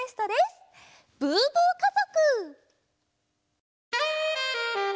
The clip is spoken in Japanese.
「ブーブー家族」。